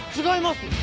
違います！